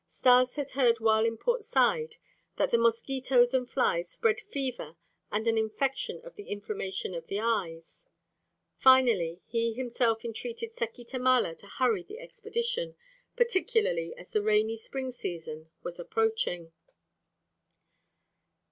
Stas had heard while in Port Said that the mosquitoes and flies spread fever and an infection of the inflammation of the eyes. Finally he himself entreated Seki Tamala to hurry the expedition, particularly as the rainy spring season was approaching.